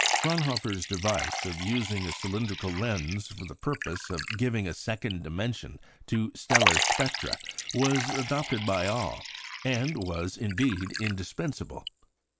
Fraunhofer's device of using a cylindrical lens for the purpose of giving a second dimension to stellar spectra was adopted by all, and was, indeed, indispensable.